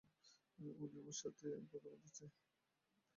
উনি আমার সাথে কথা বলতে চায়?